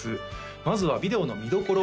まずはビデオの見どころ